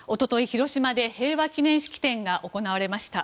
広島で平和記念式典が行われました。